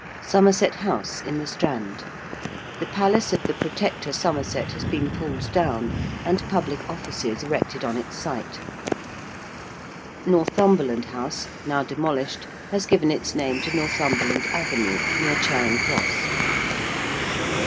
~Somerset House~, in the Strand: the palace of the Protector Somerset has been pulled down, and public offices erected on its site. ~Northumberland House~, now demolished, has given its name to Northumberland Avenue, near Charing Cross.